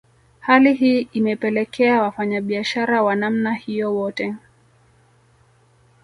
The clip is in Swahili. Hali hii imepelekea Wafanyabiashara wa namna hiyo wote